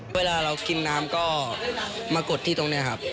เวลาเรากินน้ำก็มากดที่ตรงนี้ครับ